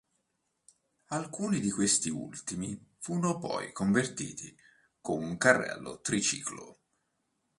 Alcuni di questi ultimi furono poi convertiti con un carrello triciclo.